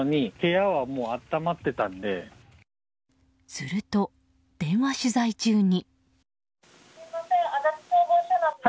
すると、電話取材中に。